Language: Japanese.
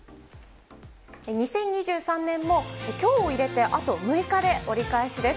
２０２３年もきょうを入れてあと６日で折り返しです。